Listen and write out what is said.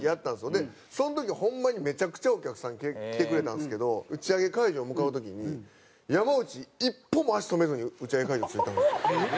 その時ホンマにめちゃくちゃお客さん来てくれたんですけど打ち上げ会場向かう時に山内一歩も足止めずに打ち上げ会場着いたんですよ。